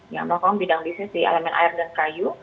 ya merokong bidang bisnis di elemen air dan kayu